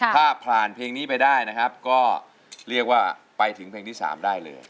ถ้าผ่านเพลงนี้ไปได้นะครับก็เรียกว่าไปถึงเพลงที่๓ได้เลย